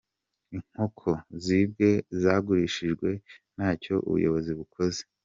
Inkoko zibwe zagurishijwe ntacyo ubuyobozi bukoze.